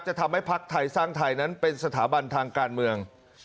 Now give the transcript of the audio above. จะทำให้พักไถ่สร้างไถ่นั้นเป็นสถาบันทางการเมือง